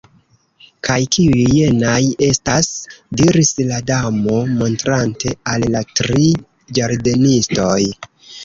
"Kaj kiuj jenaj estas?" diris la Damo, montrante al la tri ĝardenistoj.